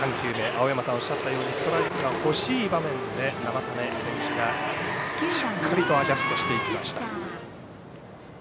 青山さんがおっしゃったようにストライクが欲しい場面で生田目選手が、しっかりとアジャストしていきました。